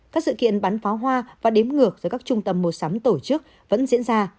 các sự kiện bắn pháo hoa và đếm ngược do các trung tâm mua sắm tổ chức vẫn diễn ra